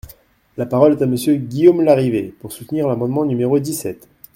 La parole est à Monsieur Guillaume Larrivé, pour soutenir l’amendement numéro dix-sept.